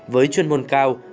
với chuyên môn cao